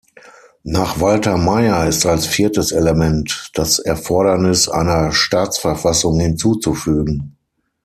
Nach Walter Maier ist als viertes Element das Erfordernis einer "Staatsverfassung" hinzuzufügen.